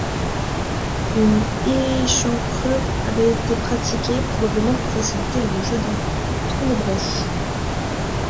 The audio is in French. Une échancrure avait été pratiquée, probablement pour faciliter le jeu d'un tournebroche.